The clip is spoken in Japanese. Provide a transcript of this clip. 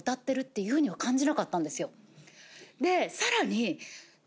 でさらに。